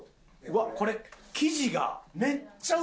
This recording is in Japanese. うわっこれ生地がめっちゃ薄いぞ。